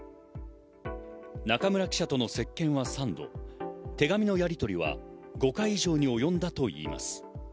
中村記者との接見は３度、手紙のやりとりは５回以上におよんだといいます。